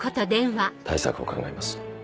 対策を考えます。